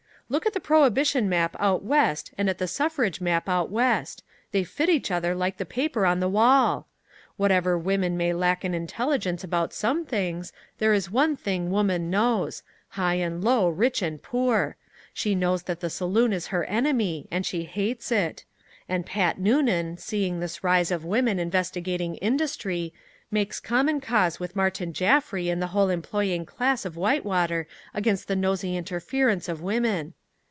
Look at the prohibition map out West and at the suffrage map out West. They fit each other like the paper on the wall. Whatever women may lack in intelligence about some things, there is one thing woman knows high and low, rich and poor! She knows that the saloon is her enemy, and she hits it; and Pat Noonan, seeing this rise of women investigating industry, makes common cause with Martin Jaffry and the whole employing class of Whitewater against the nosey interference of women.